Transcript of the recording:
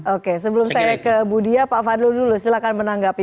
oke sebelum saya ke budi ya pak fadlun dulu silahkan menanggapi